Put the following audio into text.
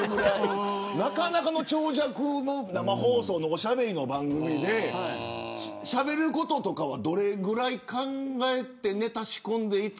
なかなかの長尺の生放送のおしゃべりの番組でしゃべることとかはどれぐらい考えてネタ仕込んでいく。